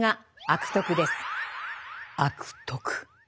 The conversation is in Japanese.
「悪徳」。